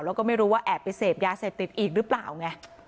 แล้วก็ไม่รู้ว่าแอบไปเสพยาเสพติดอีกหรือเปล่าไง